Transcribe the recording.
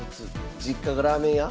実家がラーメン屋？